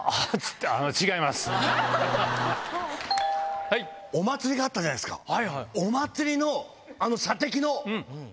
ピンポンお祭りがあったじゃないですか。